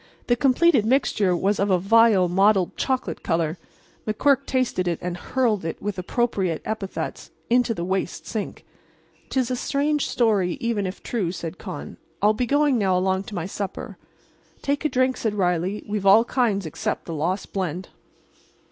The completed mixture was of a vile, mottled chocolate color. McQuirk tasted it, and hurled it, with appropriate epithets, into the waste sink. "'Tis a strange story, even if true," said Con. "I'll be going now along to my supper." "Take a drink," said Riley. "We've all kinds except the lost blend."